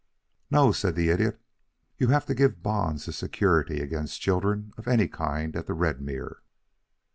"No," said the Idiot. "You have to give bonds as security against children of any kind at the Redmere.